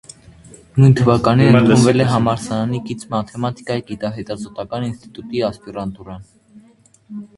Նույն թվականին ընդունվել է համալսարանին կից մաթեմատիկայի գիտահետազոտական ինստիտուտի ասպիրանտուրան։